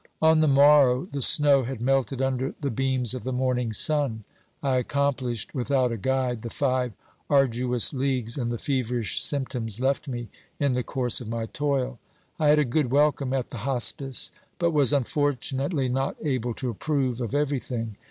On the morrow the snow had melted under the beams of the morning sun ; I accomplished without a guide the five arduous leagues, and the feverish symptoms left me in the course of my toil. I had a good welcome at the hospice, but was unfortunately not able to approve of everything.